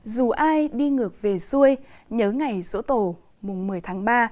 dù ai đi ngược về xuôi nhớ ngày rỗ tổ mùng một mươi tháng ba